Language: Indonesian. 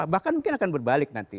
bahkan mungkin akan berbalik nanti